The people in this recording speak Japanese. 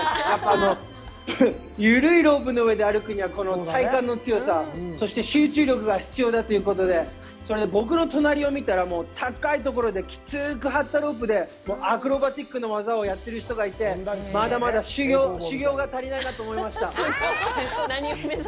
やっぱり緩いロープの上で歩くには体幹の強さ、そして集中力が必要だということで、それで僕の隣を見たら、高いところで、きつく張ったロープで、アクロバティックな技をやっている人がいて、まだまだ修業が足りないなと思いました。